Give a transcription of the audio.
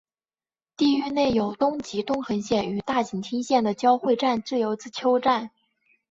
地域内有东急东横线与大井町线的交会站自由之丘站。